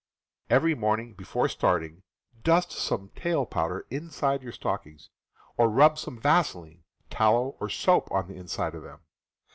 Every morning before starting, dust some talc powder inside your stockings, or rub some vaselin, tallow, or soap on the inside of them.